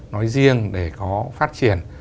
nói riêng để có phát triển